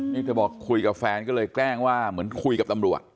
นี่เธอบอกคุยกับแฟนก็เลยแกล้งว่าเหมือนคุยกับตำรวจ